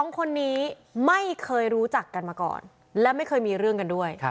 ๒คนนี้ไม่เคยรู้จักกันมาก่อนและไม่เคยมีเรื่องกันด้วย